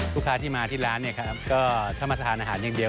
ลูกค้าที่มาที่ร้านถ้ามาทานอาหารอย่างเดียว